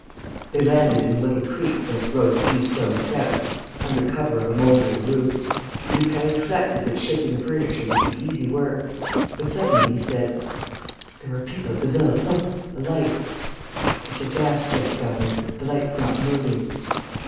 They landed in a little creek whence rose a few stone steps, under cover of a mouldering roof. Lupin reflected that shipping the furniture would be easy work. But, suddenly, he said: "There are people at the villa. Look ... a light." "It's a gas jet, governor. The light's not moving."